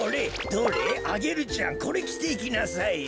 どれアゲルちゃんこれきていきなさいよ。